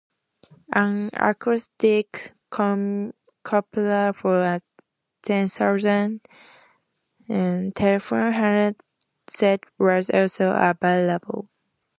An acoustic coupler for a then-standard telephone handset was also available.